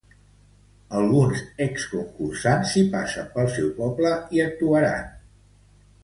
Alguns exconcursants si passen pel seu poble hi actuaran.